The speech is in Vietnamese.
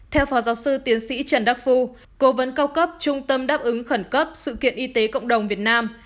theo phó giáo sư tiến sĩ trần đắc phu cố vấn cao cấp trung tâm đáp ứng khẩn cấp sự kiện y tế cộng đồng việt nam